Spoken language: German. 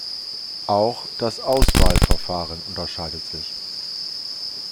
Auch das Auswahlverfahren unterscheidet sich.